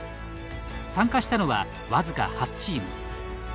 参加したのは僅か８チーム。